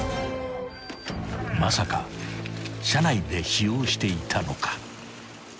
［まさか車内で使用していたのか？］